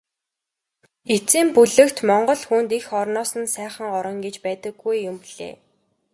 Эцсийн бүлэгт Монгол хүнд эх орноос сайхан орон гэж байдаггүй юм билээ.